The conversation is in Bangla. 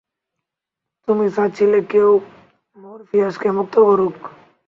তুমি চাচ্ছিলে কেউ মরফিয়াসকে মুক্ত করুক!